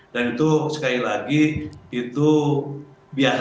dan itu sekali lagi itu biasa saja